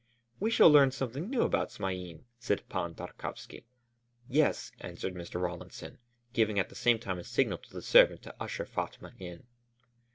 "We shall learn something new about Smain," said Pan Tarkowski. "Yes," answered Mr. Rawlinson, giving at the same time a signal to the servant to usher Fatma in.